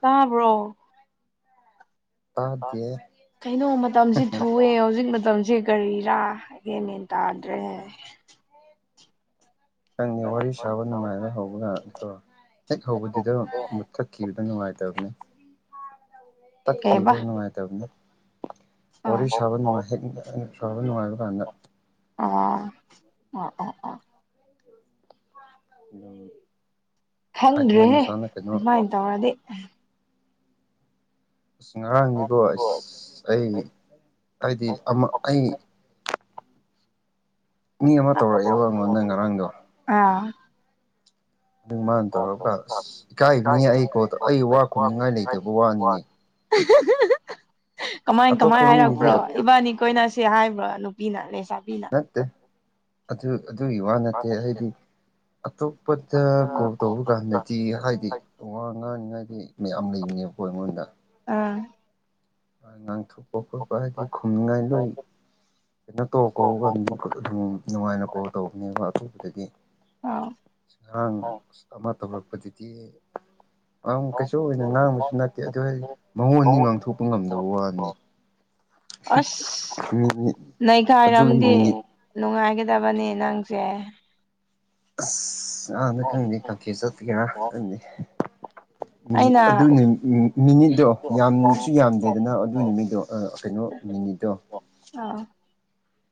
ꯇꯥꯕ꯭ꯔꯣ꯫ ꯀꯩꯅꯣ ꯃꯇꯝꯁꯦ ꯊꯨꯏꯑꯦ ꯍꯧꯖꯤꯛ ꯃꯇꯝꯁꯦ꯫ ꯀꯔꯤꯔꯥ ꯑꯩꯗꯤ ꯃꯦꯟ ꯇꯥꯗ꯭ꯔꯦ꯫ ꯅꯪꯒ ꯋꯥꯔꯤ ꯁꯥꯕ ꯅꯨꯡꯉꯥꯏꯅ ꯍꯧꯕꯒ ꯑꯗꯣ ꯍꯦꯛ ꯍꯧꯕꯗꯨꯗ ꯃꯨꯠꯊꯛꯈꯤ꯫ ꯅꯨꯡꯉꯥꯏ ꯇꯕꯅꯦ ꯇꯥꯠꯈꯤꯕꯗꯣ ꯅꯨꯡꯉꯥꯏ ꯇꯕꯅꯦ꯫ ꯋꯥꯔꯤ ꯁꯥꯕ ꯅꯨꯡꯉꯥꯏ ꯍꯦꯛ ꯁꯥꯕ ꯅꯨꯡꯉꯥꯏꯕ ꯀꯥꯟꯗ꯫ ꯑꯣ ꯑꯣ ꯑꯣ ꯑꯣ꯫ ꯎꯝ꯫ ꯈꯪꯗ꯭ꯔꯦꯍꯦ ꯑꯗꯨꯃꯥꯏꯅ ꯇꯧꯔꯗꯤ꯫ ꯑꯁ ꯉꯔꯥꯡꯅꯤꯕꯣ ꯑꯁ ꯑꯩ ꯍꯥꯏꯗꯤ ꯑꯃ ꯑꯩ꯫ ꯃꯤ ꯑꯃ ꯇꯧꯔꯛꯑꯦꯕ ꯑꯩꯉꯣꯟꯗ ꯅꯪ ꯉꯔꯥꯡꯗꯣ꯫ ꯑꯥ꯫ ꯑꯗꯨ ꯃꯥꯅ ꯇꯧꯔꯒ ꯑꯁ ꯏꯀꯥꯏꯕꯅꯤ ꯑꯩ ꯀꯣꯜ ꯑꯩ ꯋꯥ ꯈꯨꯝꯅꯤꯡꯉꯥꯏ ꯂꯩꯇꯕ ꯋꯥꯅꯤꯅꯦ꯫ ꯀꯃꯥꯏꯟ ꯀꯃꯥꯏꯟ ꯍꯥꯏꯔꯛꯄ꯭ꯔꯣ꯫ ꯅꯣꯏꯕꯥꯅꯤ ꯀꯣꯏꯅꯁꯦ ꯍꯥꯏꯕ ꯅꯨꯄꯤꯅ ꯂꯩꯁꯥꯕꯤꯅ꯫ ꯅꯠꯇꯦ ꯑꯗꯨ꯫ ꯑꯗꯨꯒꯤ ꯋꯥ ꯅꯠꯇꯦ ꯍꯥꯏꯗꯤ ꯑꯇꯣꯞꯄꯗ ꯀꯣꯜ ꯇꯧꯕ ꯀꯥꯟꯗꯗꯤ ꯍꯥꯏꯗꯤ꯫ ꯋꯥ ꯉꯥꯡꯅꯤꯉꯥꯏꯗꯤ ꯃꯌꯥꯝ ꯂꯩꯕꯅꯦꯕꯀꯣ ꯑꯩꯉꯣꯟꯗ꯫ ꯑꯥ꯫ ꯉꯥꯡꯊꯣꯛꯄ ꯈꯣꯠꯄ ꯍꯥꯏꯗꯤ ꯈꯨꯝꯅꯤꯡꯉꯥꯏ ꯂꯣꯏ꯫ ꯀꯅꯣ ꯇꯧ ꯀꯧꯒ ꯃꯤ ꯑꯗꯨꯝ ꯅꯨꯡꯉꯥꯏꯅ ꯀꯣꯜ ꯇꯧꯅꯦꯕ ꯑꯗꯨꯝꯕꯗꯗꯤ꯫ ꯑꯁ ꯉꯔꯥꯡ ꯑꯃ ꯇꯧꯔꯛꯄꯗꯨꯗꯤ꯫ ꯌꯥꯝ ꯀꯩꯁꯨ ꯑꯣꯏꯅ ꯉꯥꯡꯕꯁꯨ ꯅꯠꯇꯦ ꯑꯗꯨ ꯍꯥꯏꯁꯤ ꯃꯣꯟꯉꯣꯟꯗꯥꯗꯤ ꯉꯥꯡꯊꯣꯛꯄ ꯉꯝꯗꯕ ꯋꯥꯅꯤ꯫ ꯑꯁ ꯅꯈꯥꯏꯔꯝꯗꯦ꯫ ꯅꯨꯡꯉꯥꯏꯒꯗꯕꯅꯦ ꯅꯪꯁꯦ꯫ ꯑꯁ ꯉꯥꯔꯥꯡꯗꯤ ꯈꯪꯗꯦ ꯀꯟꯐꯨꯁ ꯆꯠꯄꯒꯤꯔꯥ ꯈꯪꯗꯦ꯫ ꯃꯤꯅꯤꯠ ꯑꯗꯨ ꯅꯤ ꯃꯤꯅꯤꯠꯇꯣ ꯌꯥꯝꯁꯨ ꯌꯥꯝꯗꯦꯗꯅ ꯑꯗꯨ ꯅꯨꯃꯤꯠꯇꯣ ꯀꯩꯅꯣ꯫ ꯃꯤꯅꯤꯠꯗꯣ꯫ ꯑꯥ꯫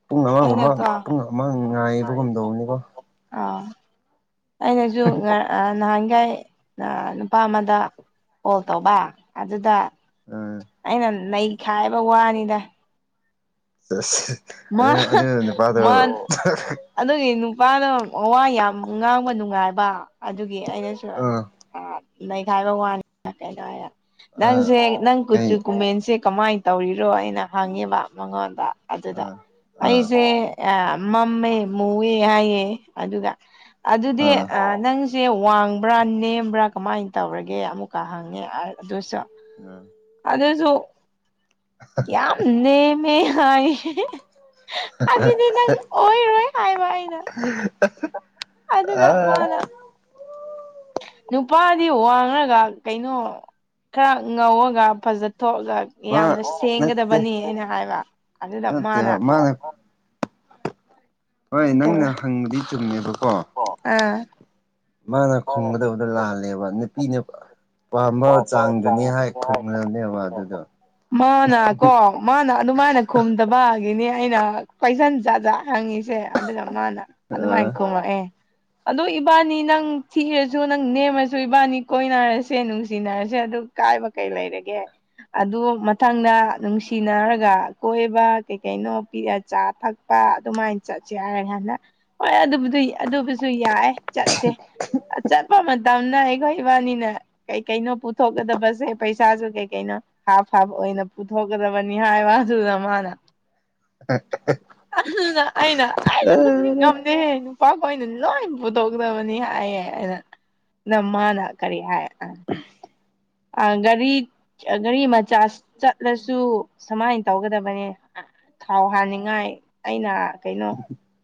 ꯄꯨꯡ ꯑꯃꯥꯡꯒꯨꯕ ꯄꯨꯡ ꯑꯃꯥ ꯉꯥꯏꯕꯒꯨꯝ ꯗꯧꯕꯅꯤꯀꯣ꯫ ꯑꯧ ꯑꯩꯅꯖꯨ ꯉꯔꯥꯡ ꯑꯥ ꯅꯍꯥꯟꯒꯩ ꯅꯨꯄꯥ ꯑꯃꯗ ꯀꯣꯜ ꯇꯧꯕ ꯑꯗꯨꯗ ꯑꯩꯅ ꯅꯩꯈꯥꯏꯕ ꯋꯥꯅꯤꯗ ꯑꯁ ꯑꯗꯨ ꯑꯗꯨ ꯅꯨꯄꯥꯗꯣ ꯑꯗꯨꯒꯤ ꯅꯨꯄꯥꯗꯣ ꯋꯥ ꯌꯥꯝ ꯉꯥꯡꯕ ꯅꯨꯡꯉꯥꯏꯕ ꯑꯗꯨꯒꯤ ꯑꯩꯅꯁꯨ ꯑꯥ ꯅꯩꯈꯥꯏꯕ ꯋꯥꯅꯤ ꯀꯩꯗꯧꯔꯦ ꯅꯪꯁꯦ ꯅꯪ ꯀꯨ ꯀꯨꯆꯨ ꯀꯨꯃꯦꯟꯁꯦ ꯀꯃꯥꯏꯅ ꯇꯧꯔꯤꯔꯣ ꯑꯩꯅ ꯍꯪꯉꯦꯕ ꯃꯉꯣꯟꯗ꯫ ꯑꯗꯨꯗ ꯑꯩꯁꯦ ꯑ ꯃꯝꯃꯦ ꯃꯨꯑꯦ ꯍꯥꯏꯌꯦ ꯑꯗꯨꯒ꯫ ꯑꯗꯨꯗꯤ ꯅꯪꯁꯦ ꯋꯥꯡꯕ꯭ꯔꯥ ꯅꯦꯝꯕ꯭ꯔꯥ ꯀꯃꯥꯏꯅ ꯇꯧꯔꯒꯦ ꯑꯃꯨꯛ ꯀꯥ ꯍꯪꯉꯦ ꯑꯗꯨꯁꯨ꯫ [unintelligible] ꯑꯗꯨꯁꯨ꯫ ꯌꯥꯝ ꯅꯦꯝꯃꯦ ꯍꯥꯏ ꯑꯗꯨꯗꯤ ꯅꯪ ꯑꯣꯏꯔꯣꯏ ꯍꯥꯏꯕ ꯑꯩꯅ [unintelligible] ꯑꯗꯨꯒ ꯃꯥꯅ ꯅꯨꯄꯥꯗꯤ ꯋꯥꯡꯂꯒ ꯀꯩꯅꯣ ꯈꯔ ꯉꯧꯔꯒ ꯐꯖꯊꯣꯛ ꯌꯥꯝꯅ ꯁꯦꯡꯒꯗꯕꯅꯤ ꯑꯩꯅ ꯍꯥꯏꯕ ꯑꯗꯨꯗ ꯃꯥꯅ ꯍꯣꯏ ꯅꯪꯅ ꯍꯪꯕꯗꯤ ꯆꯨꯝꯃꯦꯕꯀꯣ ꯑꯥ ꯃꯥꯅ ꯈꯨꯝꯒꯗꯧꯕꯗꯣ ꯂꯥꯜꯔꯦꯕ ꯅꯨꯄꯤꯅ ꯄꯥꯝꯕ ꯆꯥꯡꯗꯨꯅꯤ ꯍꯥꯏ ꯈꯨꯝꯒꯅꯦꯕ ꯑꯗꯨꯗꯣ ꯃꯥꯅ ꯀꯣ ꯃꯥꯅ ꯑꯗꯨꯃꯥꯏꯅ ꯈꯨꯝ ꯗꯕꯒꯤꯅꯤ ꯑꯩꯅ ꯀꯣꯏꯁꯟ ꯖꯥꯠ ꯖꯥꯠ ꯍꯪꯉꯤꯁꯦ ꯑꯗꯨꯒ ꯃꯥꯅ ꯑꯗꯨꯃꯥꯏ ꯈꯨꯔꯛꯑꯦ ꯑꯗꯣ ꯏꯕꯥꯅꯤ ꯅꯪ ꯊꯤꯔꯁꯨ ꯅꯪ ꯅꯦꯝꯃꯁꯨ ꯏꯕꯥꯅꯤ ꯀꯣꯏꯅꯔꯁꯦ ꯅꯨꯡꯁꯤ ꯁꯤꯅꯔꯁꯦ ꯑꯗꯨ ꯀꯥꯏꯕ ꯀꯩ ꯂꯩꯔꯒꯦ ꯑꯗꯨ ꯃꯊꯪꯗ ꯅꯨꯡꯁꯤꯅꯔꯒ ꯀꯣꯏꯕ ꯀꯩ ꯀꯩꯅꯣ ꯄꯤ ꯆꯥ ꯊꯛ [unintelligible] ꯑꯗꯨꯃꯥꯏꯅ ꯆꯠꯁꯦ ꯍꯥꯏꯔꯀꯥꯟꯗ ꯍꯣꯏ ꯑꯗꯨꯕꯨ ꯑꯗꯨꯕꯨꯁꯨ ꯌꯥꯏ ꯆꯠꯁꯦ ꯆꯠꯄ ꯃꯇꯝꯅ ꯑꯩꯈꯣꯏ ꯏꯕꯥꯅꯤꯅ ꯀꯩꯀꯩꯅꯣ ꯄꯨꯊꯣꯛꯀꯗꯕꯁꯦ ꯄꯩꯁꯥꯁꯨ ꯀꯩ ꯀꯩꯅꯣ ꯍꯥꯞ ꯍꯥꯞ ꯑꯣꯏꯅ ꯄꯨꯊꯣꯛꯀꯗꯕꯅꯤ ꯍꯥꯏꯕ ꯑꯗꯨꯗ ꯃꯥꯅ ꯑꯗꯨꯗ ꯑꯩꯅ ꯑꯩꯅ ꯑꯗꯨꯝꯕꯨꯗꯤ ꯉꯝꯅꯤꯍꯦ ꯅꯨꯄꯥꯈꯣꯏꯅ ꯂꯣꯏ ꯄꯨꯊꯣꯛꯗꯕꯅꯤ ꯍꯥꯏꯌꯦ ꯑꯩꯅ ꯑꯗꯥ ꯃꯥꯅ ꯀꯔꯤ ꯍꯥꯏ ꯑꯥ ꯑꯥ ꯒꯥꯔꯤ ꯒꯥꯔꯤ ꯃꯆꯥ ꯆꯠꯂꯁꯨ ꯁꯥꯃꯥꯏꯅ ꯇꯧꯒꯗꯕꯅꯦ ꯊꯥꯎ ꯍꯥꯟꯅꯤꯡꯉꯥꯏ ꯑꯩꯅ ꯀꯩꯅꯣ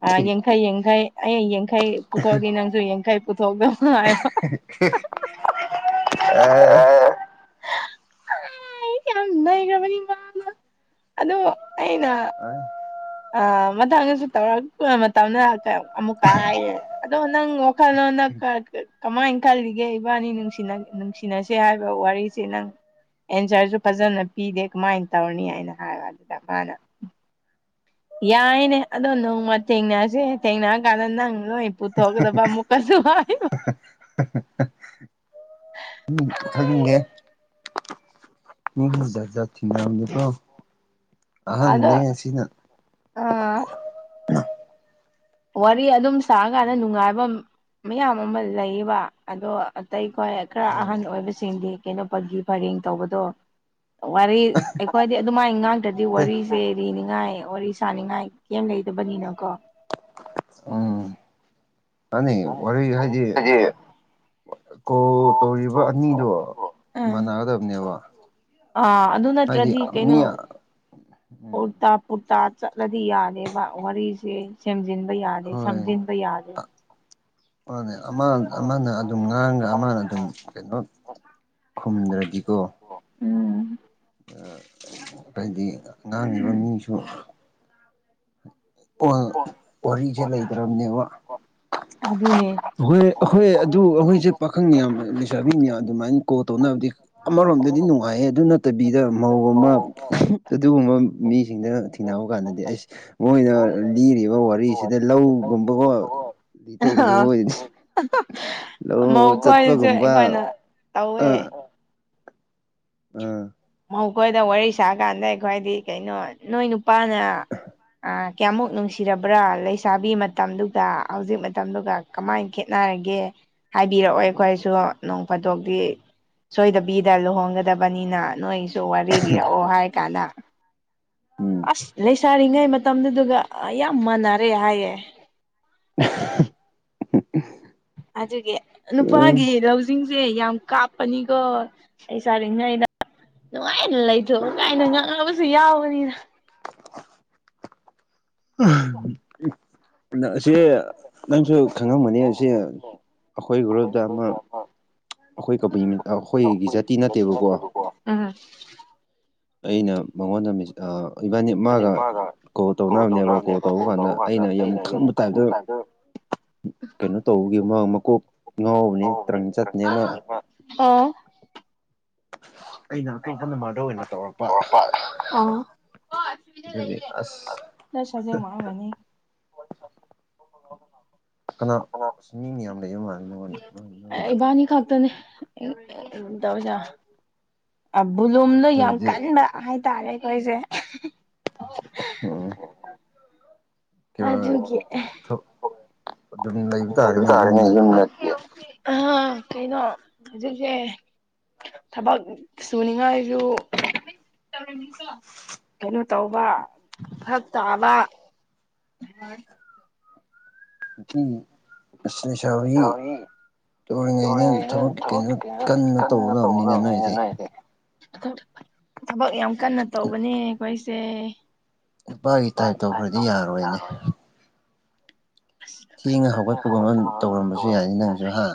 ꯑꯥ ꯌꯦꯡꯈꯩ ꯌꯦꯡꯈꯩ ꯑꯩ ꯌꯦꯡꯈꯩ ꯄꯨꯊꯣꯛꯑꯗꯤ ꯅꯪꯁꯨ ꯌꯦꯡꯈꯩ ꯄꯨꯊꯣꯛꯀꯗꯕ ꯍꯥꯏꯕ [unintelligible] [unintelligible] ꯑꯥ ꯅꯩꯒ꯭ꯔꯕꯅꯤ ꯃꯥꯅ ꯑꯗꯨ ꯑꯩꯅ ꯑꯥ ꯃꯊꯪꯗꯁꯨ ꯇꯧꯔꯛ ꯃꯇꯝꯗ ꯑꯃꯨꯛꯀ ꯍꯥꯏꯌꯦ ꯑꯗꯣ ꯅꯪ ꯋꯥꯈꯜꯂꯣꯟꯗ ꯀꯥ ꯀꯥ ꯀꯃꯥꯏꯅ ꯈꯜꯂꯤꯒꯦ ꯏꯕꯥꯅꯤ ꯅꯨꯡꯁꯤꯅ ꯅꯨꯡꯁꯤꯅꯁꯦ ꯍꯥꯏꯕ ꯋꯥꯔꯤꯁꯦ ꯅꯪ ꯑꯦꯟꯁꯔꯁꯨ ꯐꯖꯅ ꯄꯤꯗꯦ ꯀꯃꯥꯏꯅ ꯇꯧꯔꯅꯤ ꯑꯩꯅ ꯍꯥꯏꯕ ꯑꯗꯨꯗ ꯃꯥꯅ ꯌꯥꯏꯅꯦ ꯑꯗꯣ ꯅꯣꯡꯃ ꯊꯦꯡꯅꯁꯦ ꯊꯦꯡꯅꯔꯀꯥꯟꯗ ꯅꯪ ꯅꯣꯏ ꯄꯨꯊꯣꯛꯀꯗꯕ ꯑꯃꯨꯛ ꯑꯗꯨ ꯍꯥꯏꯕ [unintelligible] ꯈꯪꯅꯤꯡꯉꯦ ꯃꯤꯒꯤ ꯖꯠ ꯖꯠ ꯊꯤꯡꯅꯕꯅꯤꯀꯣ ꯍꯜꯂꯣ ꯑꯥ ꯋꯥꯔꯤ ꯑꯗꯨꯝ ꯁꯥꯀꯥꯟꯗ ꯅꯨꯡꯉꯥꯏꯕꯝ ꯃꯌꯥꯝ ꯑꯃ ꯂꯩꯌꯦꯕ ꯑꯗꯣ ꯑꯇꯩ ꯀꯣ ꯈꯔꯥ ꯑꯍꯟ ꯑꯣꯏꯕꯁꯤꯡꯗꯤ ꯀꯩꯅꯣꯞꯄꯒꯤ ꯄꯔꯦꯡ ꯇꯧꯕꯗꯣ ꯋꯥꯔꯤ ꯑꯩꯈꯣꯏꯗꯤ ꯑꯗꯨꯃꯥꯏ ꯉꯥꯡ ꯗꯤ ꯋꯥꯔꯤꯁꯦ ꯂꯤꯅꯤꯡꯉꯥꯏ ꯋꯥꯔꯤ ꯁꯥꯅꯤꯡꯉꯥꯏ ꯀꯩꯝ ꯂꯩꯇꯕꯅꯤꯅ ꯀꯣ ꯎꯝ [inaudible] ꯀꯣꯜ ꯇꯧꯋꯤ ꯇꯧꯔꯤꯕ ꯑꯅꯤꯗꯣ ꯃꯥꯟꯅꯒꯗꯕꯅꯦꯕ ꯍꯥꯏꯗꯤ ꯑꯥ ꯃꯤ ꯎꯝ ꯎꯜꯇꯥ ꯆꯠꯂꯗꯤ ꯌꯥꯗꯦꯕ ꯋꯥꯔꯤꯁꯦ ꯁꯦꯝꯖꯤꯟꯕ ꯌꯥꯗꯦ ꯁꯝꯖꯤꯟꯕ ꯌꯥꯗꯦ ꯃꯥꯅꯦ ꯑꯃ ꯑꯃꯅ ꯑꯗꯨꯝ ꯉꯥꯡꯉ ꯑꯃꯅ ꯑꯗꯨꯝ ꯀꯩꯅꯣ ꯈꯨꯝꯗ꯭ꯔꯗꯤ ꯀꯣ ꯍꯥꯏꯗꯤ ꯉꯥꯡꯉꯤꯕ ꯃꯤꯁꯨ ꯋꯥ ꯋꯥꯔꯤꯖꯦ ꯂꯩꯇ꯭ꯔꯕꯅꯦꯕ ꯑꯗꯨꯅꯦ ꯍꯍꯣꯏ ꯑꯩꯈꯣꯏ ꯑꯗꯨ ꯑꯩꯈꯣꯏꯁꯦ ꯄꯥꯈꯪ ꯃꯌꯥꯝ ꯂꯩꯁꯥꯕꯤ ꯃꯌꯥꯝ ꯑꯗꯨꯃꯥꯏꯅ ꯀꯣꯜ ꯇꯧꯅꯕꯗꯤ ꯑꯃꯔꯣꯝꯗꯗꯤ ꯅꯨꯡꯉꯥꯏꯌꯦ ꯑꯗꯨ ꯅꯠꯇꯕꯤꯗ ꯃꯧ ꯑꯃ ꯑꯍꯨꯞ ꯑꯗꯨꯒꯨꯝꯕ ꯃꯤꯁꯤꯡꯗ ꯊꯦꯡꯅꯕ ꯀꯥꯟꯗꯗꯤ ꯑꯩꯁ ꯃꯣꯏꯗ ꯂꯤꯔꯤꯕ ꯋꯥꯔꯤꯁꯤꯗ ꯂꯧꯒꯨꯝꯕꯀꯣ ꯂꯤꯊꯣꯛꯀꯅꯤ ꯃꯣꯏꯗꯤ ꯃꯧꯈꯣꯏꯖꯦ ꯑꯩꯈꯣꯏꯅ ꯇꯧꯋꯦ ꯑꯥ ꯃꯧ ꯈꯣꯏꯗ ꯋꯥꯔꯤ ꯁꯥꯀꯥꯟꯗ ꯑꯩꯈꯣꯏꯗꯤ ꯀꯩꯅꯣ ꯅꯣꯏ ꯅꯨꯄꯥꯅ ꯑꯥ ꯀꯌꯥꯃꯨꯛ ꯅꯨꯡꯁꯤꯔꯕ꯭ꯔꯥ ꯂꯩꯁꯥꯕꯤ ꯃꯇꯝꯗꯨꯒ ꯍꯧꯖꯤꯛ ꯃꯇꯝꯗꯨꯒ ꯀꯃꯥꯏ ꯈꯦꯠꯅꯔꯒꯦ ꯍꯥꯏꯕꯤꯔꯛꯑꯣ ꯑꯩꯈꯣꯏꯁꯨ ꯅꯣꯡ ꯐꯥꯗꯣꯛꯇꯤ ꯁꯣꯏꯗꯕꯤꯗ ꯂꯨꯍꯣꯡꯒꯗꯕꯅꯤꯅ ꯅꯣꯏꯒꯤꯁꯨ ꯋꯥꯔꯤ ꯂꯤꯔꯛꯑꯣ ꯍꯥꯏ ꯀꯟꯗ ꯑꯁ ꯂꯩꯁꯥꯔꯤꯉꯩ ꯃꯇꯝꯗꯗꯨꯒ ꯌꯥꯝ ꯃꯥꯟꯅꯔꯦ ꯍꯥꯏꯌꯦ [unintelligible] ꯑꯗꯨꯒꯤ ꯅꯨꯄꯥꯒꯤ ꯂꯧꯁꯤꯡꯖꯤꯡꯁꯦ ꯌꯥꯝ ꯀꯥꯞꯄꯅꯤꯀꯣ ꯂꯩꯁꯥꯔꯤꯉꯩꯗ ꯅꯨꯡꯉꯥꯏꯅ ꯂꯩꯊꯣꯛꯑ ꯀꯥꯏꯅ ꯉꯥꯡꯉꯕꯁꯨ ꯌꯥꯎꯕꯅꯤꯗ ꯎꯝ ꯑꯁꯤ ꯅꯪꯁꯨ ꯈꯪꯉꯝꯒꯅꯤ ꯑꯁꯤ ꯑꯩꯈꯣꯏ ꯒꯔꯨꯞꯇ ꯑꯃ ꯑꯩꯈꯣꯏ ꯀꯥꯕꯨꯢ ꯑꯩꯈꯣꯏꯒꯤ ꯖꯥꯇꯤ ꯅꯠꯇꯦꯕꯀꯣ ꯎꯝ ꯑꯩꯅ ꯃꯉꯣꯟꯗ ꯃꯖꯤ ꯏꯕꯥꯅꯤ ꯃꯥꯒ ꯀꯣꯜ ꯇꯧꯅꯕꯅꯦꯕ ꯀꯣꯜ ꯇꯧꯕ ꯀꯥꯟꯗ ꯑꯩꯅ ꯌꯥꯝ ꯈꯪꯕ ꯇꯥꯏꯞꯇ ꯀꯩꯅꯣ ꯇꯧꯕꯒꯤ ꯃꯥ ꯃꯀꯣꯛ ꯉꯥꯎꯕꯅꯦ ꯇ꯭ꯔꯪ ꯆꯠꯄꯅꯦ ꯃꯥ ꯑꯣ ꯑꯩꯅ ꯑꯇꯣꯞꯄ ꯅꯝꯕꯔꯗ ꯑꯣꯏꯅ ꯇꯧꯔꯛꯄ ꯑꯗꯨꯒꯤ ꯑꯁ [unintelligible] ꯋꯥꯔꯝꯒꯅꯤ ꯀꯅꯥ ꯑꯁ ꯃꯤ ꯃꯌꯥꯝ ꯂꯩꯕ ꯃꯥꯜꯂꯦ ꯅꯉꯣꯟꯗ ꯑꯥ ꯏꯕꯥꯅꯤ ꯈꯛꯇꯅꯦ ꯇꯧꯖꯦ ꯕ ꯕꯨꯂꯨꯝꯗꯣ ꯌꯥꯝ ꯀꯟꯕ ꯍꯥꯏꯇꯥꯔꯦ ꯑꯩꯈꯣꯏꯖꯦ [unintelligible] ꯀꯤꯔ ꯊꯣꯛ ꯑꯍꯥ ꯀꯩꯅꯣ ꯍꯧꯖꯤꯛꯅꯦ ꯊꯕꯛ ꯁꯨꯅꯤꯉꯥꯏꯖꯨ ꯀꯩꯅꯣ ꯇꯧꯕ ꯐꯛ ꯇꯥꯕ ꯅꯨꯄꯤꯒꯤ ꯑꯁ ꯂꯩꯁꯥꯕꯤ ꯇꯧꯔꯤꯉꯩꯗ ꯊꯕꯛ ꯀꯩꯅꯣ ꯀꯟꯅ ꯇꯧꯒꯗꯕꯅꯤꯅꯦ ꯅꯣꯏꯗꯤ ꯊꯕꯛ ꯌꯥꯝ ꯀꯟꯅ ꯇꯧꯕꯅꯦ ꯑꯩꯈꯣꯏꯁꯦ ꯍ ꯇꯥꯏ ꯇ ꯍꯧꯗꯤ ꯌꯥꯔ ꯑꯣꯏꯣꯏ ꯊꯦꯡꯉ ꯍꯧꯒꯠꯄꯒꯨꯝꯕ ꯇꯧꯔꯝꯕꯁꯨ ꯌꯥꯏꯅꯤ ꯅꯪꯁꯨ ꯍꯥ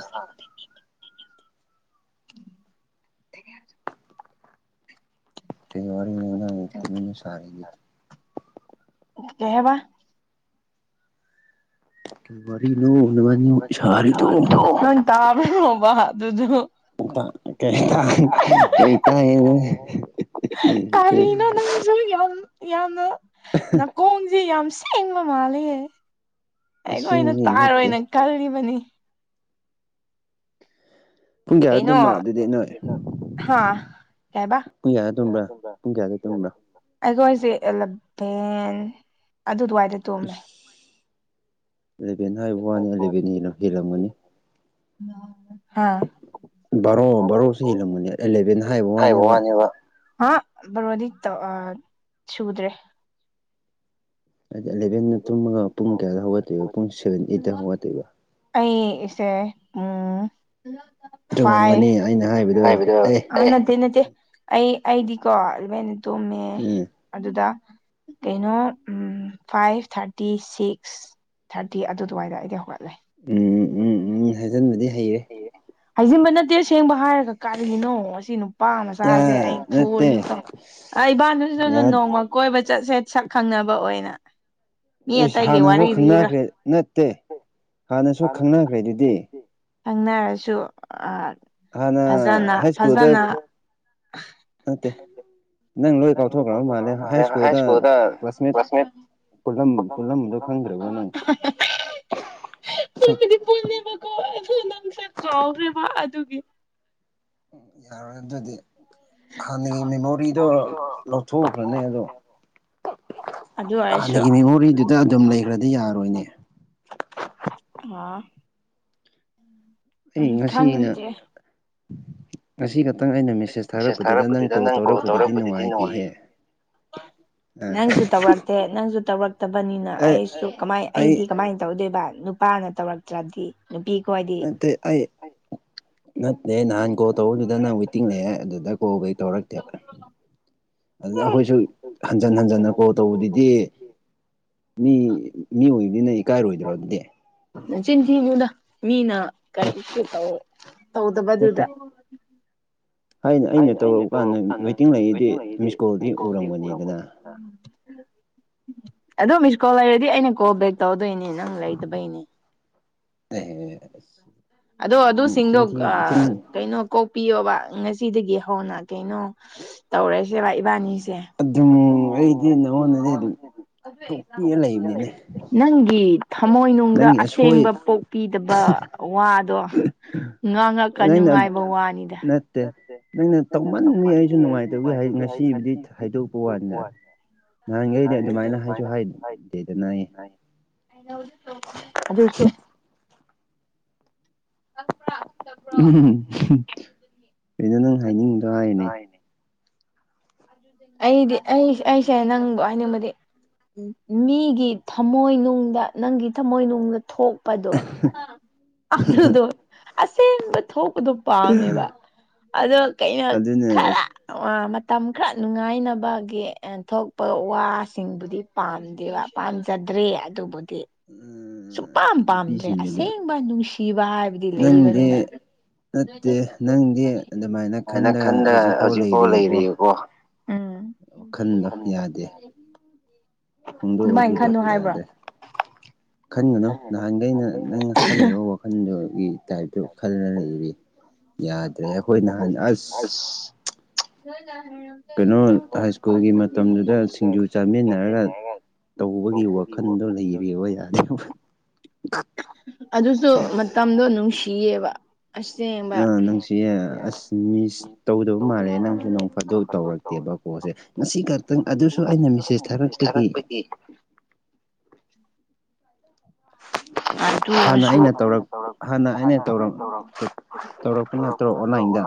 ꯀꯩ ꯋꯥ ꯋꯥꯔꯤ ꯀ ꯁ ꯀꯩ ꯍꯥꯏꯕ ꯀꯩ ꯋꯥꯔꯤꯅꯣ ꯅꯕꯥꯅꯤꯃꯛ ꯁꯥꯔꯤꯗꯣ ꯇꯥꯕꯅꯣꯕ ꯑꯗꯨꯗꯨ [unintelligible] ꯅꯣꯏ ꯌꯥꯝ ꯌꯥꯝꯅ ꯅꯥꯀꯣꯡꯖꯦ ꯌꯥꯝ ꯁꯦꯡꯕ ꯃꯥꯜꯂꯦꯍꯦ ꯑꯩꯈꯣꯏꯅ ꯇꯥꯔꯣꯏꯅ ꯈꯜꯂꯤꯕꯅꯤ ꯀꯩꯅꯣ ꯍꯥ ꯀꯦꯕ ꯇ ꯇ ꯑꯩꯈꯣꯏꯁꯦ ꯑꯦꯂꯚꯦꯟ ꯑꯗꯨ ꯑꯗꯨꯋꯥꯏꯗ ꯇꯣꯃꯦ ꯑꯦꯂꯚꯦꯟ ꯍꯥꯏꯕ ꯋꯥꯅꯤ ꯑꯦꯂꯚꯦꯟ ꯍꯦꯜꯂꯝꯒꯅꯤ ꯍꯥꯏ ꯋꯥ ꯋꯥꯅꯦꯕ ꯍꯥ ꯕꯔꯣꯗꯤ ꯇ ꯁꯨꯗ꯭ꯔꯦ ꯍꯥꯏꯗꯤ ꯑꯦꯂꯕꯦꯟꯟꯅ ꯇꯨꯝꯃꯒ ꯄꯨꯡ ꯀꯌꯥꯗ ꯍꯧꯒꯠꯇꯣꯏꯕ ꯄꯨꯡ ꯁꯕꯦꯟ ꯑꯩꯠꯇ ꯍꯧꯒꯠꯇꯣꯏꯕ ꯑꯩ ꯏꯆꯦ ꯎꯝ ꯐꯥꯏ ꯑꯗꯨ ꯅꯠꯇ ꯅꯠꯇ ꯑꯩ ꯑꯩꯗꯤꯀꯣ ꯑꯗꯨꯃꯥꯏꯅ ꯇꯨꯝꯃꯦ ꯑꯗꯨꯗ ꯀꯩꯅꯣ ꯐꯥꯏꯚ ꯊꯥꯔꯇꯤ ꯁꯤꯛꯁ ꯊꯥꯔꯇꯤ ꯑꯗꯨꯗꯨꯋꯥꯏꯗ ꯑꯩꯗꯤ ꯍꯧꯒꯠꯂꯦ ꯎꯝ ꯎꯝ ꯎꯝ ꯎꯝ ꯍꯥꯏꯖꯤꯟꯕꯗꯤ ꯍꯩꯔꯦ ꯍꯩꯖꯤꯟꯕ ꯅꯠꯇꯦꯁꯦꯡꯕ ꯍꯥꯏꯔꯒ ꯀꯥꯔꯤꯅꯣ ꯑꯁꯤꯅꯣ ꯄꯥ ꯃꯆꯥꯁꯦ ꯑꯩ ꯐꯨꯔꯅꯤꯀꯣ ꯏꯕꯥꯟꯗꯨꯁꯤ ꯅꯣꯡꯃ ꯀꯣꯏꯕ ꯆꯠꯁꯦ ꯁꯛ ꯈꯪꯅꯕ ꯑꯣꯏꯅ ꯃꯤ ꯑꯇꯩꯒꯤ ꯋꯥꯔꯤ ꯂꯤꯔ ꯈꯪꯅꯔꯁꯨ ꯍꯅ ꯍꯖꯀꯣꯗ ꯃꯠꯇꯦ ꯅꯪ ꯂꯣꯏ ꯀꯥꯎꯊꯣꯛꯈ꯭ꯔꯕ ꯃꯥꯜꯂꯦ ꯍꯥꯏ ꯁ꯭ꯀꯨꯜꯗ ꯀ꯭ꯂꯥꯁꯃꯦꯠ ꯄꯠꯂꯝ ꯄꯠꯂꯝꯗꯣ ꯈꯪꯗ꯭ꯔꯕ꯭ꯔꯣ ꯅꯪ ꯅꯦꯕꯀꯣ ꯑꯗꯨ ꯅꯪꯁꯦ ꯆꯥꯎꯈ꯭ꯔꯤꯕ ꯑꯗꯨꯒꯤ ꯌꯥꯔꯣꯏ ꯑꯗꯨꯗꯤ ꯍꯥꯟꯅꯒꯤ ꯃꯦꯃꯣꯔꯤꯗꯣ ꯂꯧꯊꯣꯛꯎꯈ꯭ꯔꯅꯦ ꯑꯗꯣ ꯍꯥꯟꯅꯒꯤ ꯃꯦꯃꯣꯔꯤꯗꯨꯗ ꯑꯗꯨꯝ ꯂꯩꯈ꯭ꯔꯗꯤ ꯌꯥꯔꯣꯏꯅꯦ ꯑ ꯎ ꯈꯅꯗꯤ ꯉ ꯅ ꯑꯩꯅ ꯃꯦꯁꯦꯁ ꯊꯥꯔꯛꯄꯗꯨꯗ ꯅꯪ ꯀꯣꯜ ꯇꯧꯔꯛꯄꯗꯨꯗꯤ ꯅꯨꯡꯉꯥꯏ ꯅꯪꯁꯨ ꯇꯧꯔꯛꯇꯦ ꯅꯪꯁꯨ ꯇꯧꯔꯛꯇꯕꯅꯤꯅ ꯑꯩꯁꯨ ꯀꯃꯥꯏ ꯑꯩꯗꯤ ꯀꯃꯥꯏꯅ ꯇꯧꯗꯣꯏꯕ ꯅꯨꯄꯥꯅ ꯇꯧꯔꯛꯇ꯭ꯔꯕꯗꯤ ꯅꯨꯄꯤ ꯈꯣꯏꯗꯤ ꯇꯦ ꯑꯩ ꯅꯠꯇꯦ ꯅꯍꯥꯟ ꯀꯣꯜ ꯇꯧꯕꯗꯨꯗ ꯅꯪ ꯋꯦꯇꯤꯡ ꯂꯩꯑꯦ ꯑꯗꯨꯗ ꯀꯣꯜ ꯀꯩ ꯇꯧꯔꯛꯇꯦ ꯑꯗꯨꯗ ꯑꯩꯈꯣꯏꯁꯨ ꯍꯟꯖꯤꯟ ꯍꯟꯖꯤꯟꯅ ꯀꯣꯜ ꯇꯧꯕꯗꯨꯗꯤ ꯃꯤ ꯃꯤ ꯑꯣꯏꯕꯅꯤꯅ ꯏꯀꯥꯏꯔꯣꯏꯗ꯭ꯔꯣ ꯑꯗꯨꯗꯤ ꯆꯤꯟꯊꯤꯗꯨꯗ ꯃꯤꯅ ꯀꯔꯤ ꯇꯧꯗꯕꯗꯨꯗ ꯍꯥꯏ ꯑꯩꯅ ꯇꯧꯔꯛꯕ ꯀꯥꯟꯗ ꯋꯦꯇꯤꯡ ꯂꯩꯏꯗꯤ ꯃꯤꯁꯀꯣꯜꯗꯤ ꯎꯔꯝꯒꯅꯤꯗꯅ ꯑꯗꯣ ꯃꯤꯁ ꯀꯣꯜ ꯂꯩꯔꯗꯤ ꯑꯩꯅ ꯀꯣꯜ ꯕꯦꯛ ꯇꯧꯔꯗꯣꯏꯅꯤ ꯅꯪ ꯂꯩꯗꯕꯩꯅꯦ ꯍ ꯑꯗꯣ ꯑꯗꯨꯁꯤꯡꯗꯣ ꯑ ꯀꯩꯅꯣ ꯀꯣꯛꯄꯤꯌꯣꯕ ꯉꯁꯤꯗꯒꯤ ꯍꯧꯅ ꯀꯩꯅꯣ ꯇꯧꯔꯦꯁꯦꯕ ꯏꯕꯥꯅꯤꯁꯦ ꯑꯗꯨꯝ ꯑꯩꯗꯤ ꯅꯉꯣꯟꯗꯗꯤ ꯑꯗꯨꯝ ꯇꯣꯛꯄꯤꯔ ꯂꯩꯕꯅꯤꯅꯦ ꯅꯪꯒꯤ ꯊꯃꯣꯏꯅꯨꯡꯗ ꯑꯁꯦꯡꯕ ꯄꯣꯛꯄꯤꯗꯕ ꯋꯥꯗꯣ ꯉꯥꯡꯉꯛꯀ ꯅꯨꯡꯉꯥꯏꯕ ꯋꯥꯅꯤꯗ ꯅꯪꯅ ꯇꯧꯃꯟꯃꯤ ꯑꯩꯁꯨ ꯅꯨꯡꯉꯥꯏꯇꯕꯒꯤꯦ ꯉꯁꯤꯕꯨꯗꯤ ꯍꯥꯏꯗꯣꯛꯄ ꯋꯥꯅꯤꯗ ꯅꯍꯥꯟꯈꯩꯗꯤ ꯑꯗꯨꯃꯥꯏꯅ ꯍꯥꯏꯁꯨ ꯍꯥꯏꯗꯦꯗꯅ ꯑꯩ [unintelligible] ꯑꯗꯨꯁꯨ ꯀꯪ ꯎꯝ ꯑꯩꯅ ꯅꯪ ꯍꯥꯏꯅꯤꯡꯕꯗꯣ ꯍꯥꯏꯔꯤꯅꯦ ꯑꯩꯗꯤ ꯑꯩꯁꯦ ꯑꯩꯁꯦ ꯅꯪꯕꯨ ꯍꯥꯏꯅꯤꯡꯕꯗꯤ ꯎ ꯃꯤꯒꯤ ꯊꯃꯣꯏꯅꯨꯡꯗ ꯅꯪꯒꯤ ꯊꯝꯃꯣꯏꯅꯨꯡꯗ ꯊꯣꯛꯄꯗꯣ ꯑꯗꯨꯗꯣ ꯑꯁꯦꯡꯕ ꯊꯣꯛꯄꯗꯣ ꯄꯥꯝꯃꯦꯕ ꯑꯗꯣ ꯀꯩꯅꯣ ꯈꯔ ꯃꯇꯝ ꯈꯔ ꯅꯨꯡꯉꯥꯏꯅꯕꯒꯤ ꯊꯣꯛꯄ ꯋꯥꯁꯤꯡꯕꯨꯗꯤ ꯄꯥꯝꯗꯦꯕ ꯄꯥꯝꯖꯗ꯭ꯔꯦ ꯑꯗꯨꯕꯨꯗꯤ ꯁꯨꯡ ꯄꯥꯝ ꯄꯥꯝꯗ꯭ꯔꯦ ꯑꯁꯦꯡꯕ ꯅꯨꯡꯁꯤꯕ ꯍꯥꯏꯕꯗꯤ ꯂꯩꯕꯅꯤꯅ ꯅꯠꯇꯦ ꯅꯪꯗꯤ ꯑꯗꯨꯃꯥꯏꯅ ꯈꯟꯂꯒ ꯍꯧꯖꯤꯛꯐꯥꯎ ꯂꯩꯔꯤꯀꯣ ꯋꯥꯈꯟꯗꯣ ꯌꯥꯗꯦ ꯍꯣꯡꯗꯣꯛꯑꯣ ꯑꯗꯨꯗꯣ ꯌꯥꯗ꯭ꯔꯦ ꯈꯟꯒꯅꯨ ꯅꯍꯥꯟꯈꯩꯅ ꯅꯪꯅ ꯈꯜꯂꯤꯕ ꯋꯥꯈꯜꯗꯨꯒꯤ ꯇꯥꯏꯞꯇꯣ ꯈꯜꯂ ꯂꯩꯔꯤ ꯌꯥꯗ꯭ꯔꯦ ꯑꯩꯈꯣꯏ ꯅꯍꯥꯟ ꯑꯁ [unintelligible] ꯃꯇꯝꯗꯨꯗ ꯁꯤꯡꯖꯨ ꯆꯥꯃꯤꯟꯅꯔꯒ ꯇꯧꯕꯒꯤ ꯋꯥꯈꯟꯗꯣ ꯂꯩꯔꯤꯕ ꯌꯥꯗꯦꯕ ꯑꯗꯨꯁꯨ ꯃꯇꯝꯗꯣ ꯅꯨꯡꯁꯤꯌꯦꯕ ꯑꯁꯦꯝ [unintelligible] ꯅꯡꯁꯤꯌꯦ ꯑꯁ ꯃꯤꯁ ꯇꯧꯗꯕ ꯃꯥꯜꯂꯦ ꯅꯪꯁꯨ ꯅꯣꯡ ꯐꯥꯗꯣꯛ ꯇꯧꯔꯛ ꯇꯦꯕꯥꯀꯣꯁꯦ ꯉꯁꯤ ꯈꯛꯇꯪ ꯑꯗꯨꯁꯨ ꯑꯩꯅ ꯃꯦꯁꯦꯁ ꯊꯥꯔꯛꯄꯒꯤ ꯑꯗꯨ ꯑꯣꯏꯁꯨ [unintelligible] ꯇꯧꯔꯛꯄ ꯅꯠꯇ꯭ꯔꯣ ꯑꯣꯟꯂꯥꯏꯟꯗ